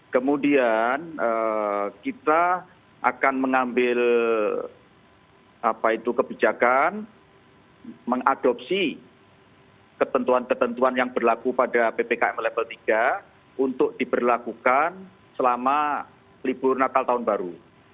kemudian kita akan mengambil kebijakan mengadopsi ketentuan ketentuan yang berlaku pada ppkm level tiga untuk diberlakukan selama libur natal tahun baru